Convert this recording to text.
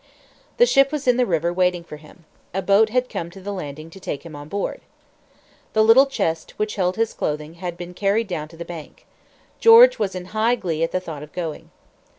The ship was in the river waiting for him. A boat had come to the landing to take him on board. The little chest which held his clothing had been carried down to the bank. George was in high glee at the thought of going.